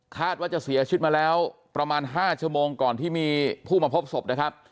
ว่าจะเสียชีวิตมาแล้วประมาณ๕ชั่วโมงก่อนที่มีผู้มาพบศพนะครับ